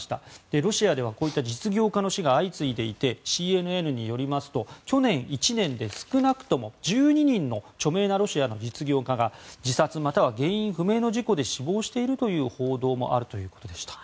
ロシアではこういった実業家の死が相次いでいてＣＮＮによりますと去年１年で少なくとも１２人の著名なロシアの実業家が自殺または原因不明の事故で死亡しているという報道もあるということでした。